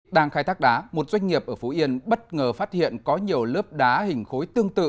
đang khai thác đá một doanh nghiệp ở phú yên bất ngờ phát hiện có nhiều lớp đá hình khối tương tự